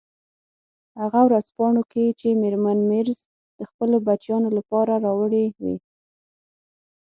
هغه ورځپاڼو کې چې میرمن مېرز د خپلو بچیانو لپاره راوړي وې.